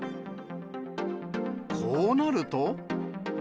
こうなると？